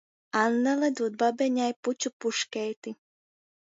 Annele dūd babeņai puču puškeiti.